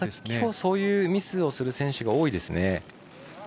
今日はそういうミスをする選手が多いですね。